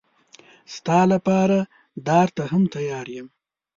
ستا لپاره دار ته هم تیار یم.